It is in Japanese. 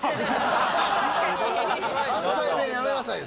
関西弁やめなさいよ。